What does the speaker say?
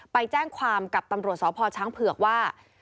ไปแจ้งความกับตำรวจสพช้างเผือกว่า